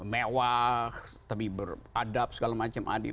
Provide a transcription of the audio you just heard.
mewah tapi beradab segala macam adib